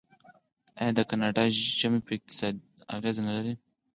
آیا د کاناډا ژمی په اقتصاد اغیز نلري؟